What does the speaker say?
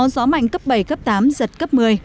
gió mạnh cấp bảy cấp tám giật cấp một mươi